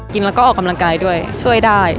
แล้วก็ออกกำลังกายด้วยช่วยได้